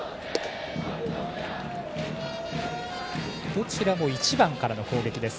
どちらも１番からの攻撃です